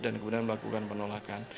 dan kemudian melakukan penolakan